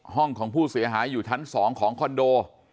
ห้องของผู้เสียหายอยู่ทั้งทั้งสองของคอนโด